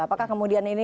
apakah kemudian ini